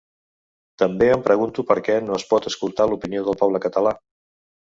També em pregunto per què no es pot escoltar l’opinió del poble català.